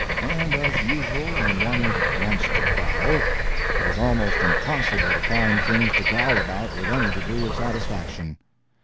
And as usual, when one wants to growl, it is almost impossible to find things to growl about with any degree of satisfaction.